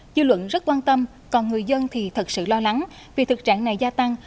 dư luận rất quan tâm còn người dân thì thật sự lo lắng vì thực trạng này gia tăng